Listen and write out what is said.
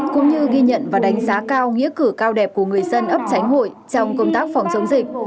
cũng như ghi nhận và đánh giá cao nghĩa cử cao đẹp của người dân ấp chánh hội trong công tác phòng chống dịch